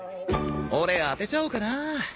オレ当てちゃおうかな。